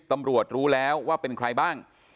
รู้แล้วว่าเป็นใครบ้าง